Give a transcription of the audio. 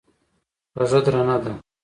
کږه درانه ده.